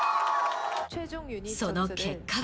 その結果は。